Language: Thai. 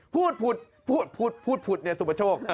พูดเนี่ยสุปชก